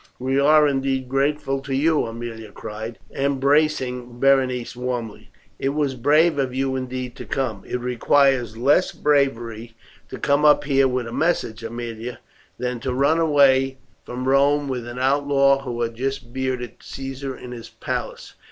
"We are, indeed, grateful to you," Aemilia cried, embracing Berenice warmly. "It was brave of you indeed to come." "It requires less bravery to come up here with a message, Aemilia, than to run away from Rome with an outlaw who had just bearded Caesar in his palace."